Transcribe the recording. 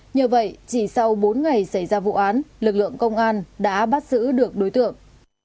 nhờ vậy chỉ sau bốn ngày xảy ra vụ án lực lượng công an đã bắt giữ được đối tượng